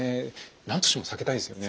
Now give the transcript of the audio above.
なんとしても避けたいですよね。